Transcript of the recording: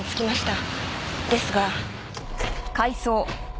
ですが。